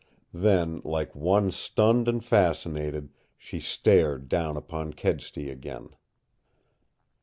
Then, like one stunned and fascinated, she stared down upon Kedsty again.